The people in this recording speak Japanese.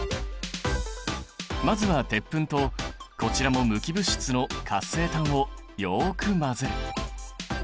まずは鉄粉とこちらも無機物質の活性炭をよく混ぜる。